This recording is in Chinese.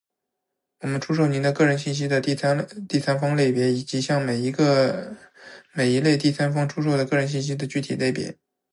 我们出售您个人信息的第三方类别，以及向每一类第三方出售的个人信息的具体类别。